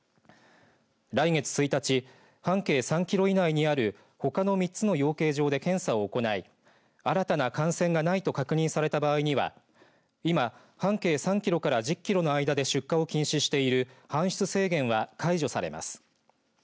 来月１日、半径３キロ以内にあるほかの３つの養鶏場で検査を行い新たな感染がないと確認された場合には今、半径３キロから１０キロの間で出荷を禁止している搬出制限は解除されます。